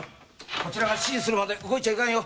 こちらが指示するまで動いちゃいかんよ。